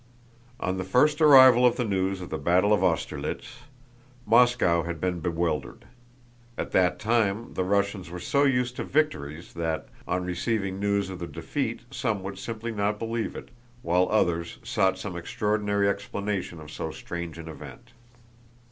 On the first arrival of the news of the battle of Austerlitz, Moscow had been bewildered. At that time, the Russians were so used to victories that on receiving news of the defeat some would simply not believe it, while others sought some extraordinary explanation of so strange an event.